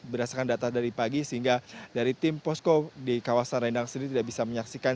berdasarkan data dari pagi sehingga dari tim posko di kawasan rendang sendiri tidak bisa menyaksikan